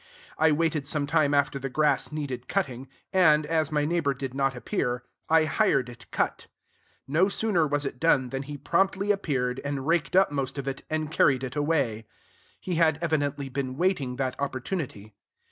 I waited some time after the grass needed cutting; and, as my neighbor did not appear, I hired it cut. No sooner was it done than he promptly appeared, and raked up most of it, and carried it away. He had evidently been waiting that opportunity.